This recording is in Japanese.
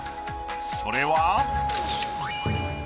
それは。